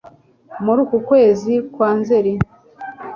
muri ukukwezi kwa nzeri